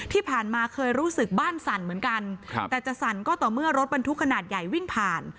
ที่ผ่านมาเคยรู้สึกบ้านสั่นเหมือนกันแต่จะสั่นก็ต่อเมื่อรถบรรทุกขนาดใหญ่วิ่งผ่าน